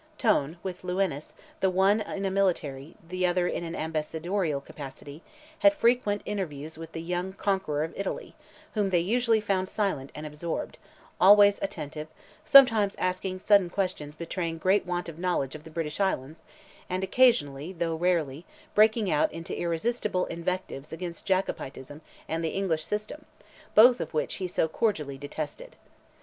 Tone, with Lewines, the one in a military, the other in an ambassadorial capacity, had frequent interviews with the young conqueror of Italy, whom they usually found silent and absorbed, always attentive, sometimes asking sudden questions betraying great want of knowledge of the British Islands, and occasionally, though rarely, breaking out into irresistible invectives against Jacobinism and the English system, both of which he so cordially detested.